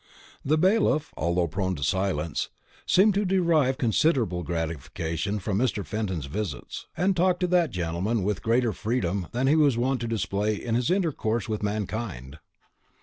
The bailiff, although prone to silence, seemed to derive considerable gratification from Mr. Fenton's visits, and talked to that gentleman with greater freedom than he was wont to display in his intercourse with mankind.